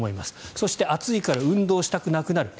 そして、暑いから運動したくなくなる。